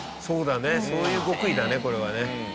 そうだねそういう極意だねこれはね。